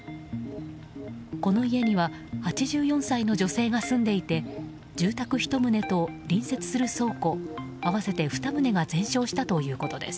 この家には８４歳の女性が住んでいて住宅１棟と隣接する倉庫合わせて２棟が全焼したということです。